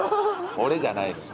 俺じゃないのよ。